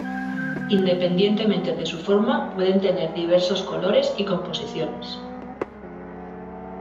Independientemente de su forma pueden tener diversos colores y composiciones.